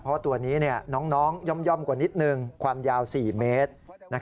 เพราะตัวนี้น้องย่อมกว่านิดนึงความยาว๔เมตร